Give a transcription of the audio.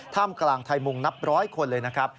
ท่ามกลางไทยมุงนับร้อยคนเลยนะครับ